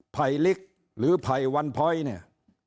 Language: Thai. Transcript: ภัยลิกหรือภัยวันพ้อยเนี่ย